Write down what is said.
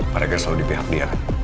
pak reger selalu di pihak dia kan